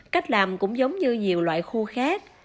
cách làm cũng giống như nhiều loại khô khác